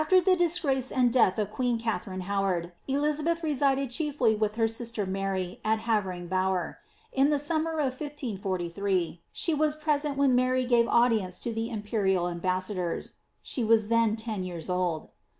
After the disgrace and death of queen Katharine Howard, Elizabeth resided chiefly with her sister Mary, at Havering Bower. In the sum Der of 1543, she was present when Mary gave audience to the imperial imbossadors;^ she was then ten years old.